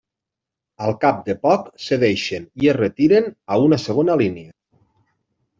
Al cap de poc, cedeixen i es retiren a una segona línia.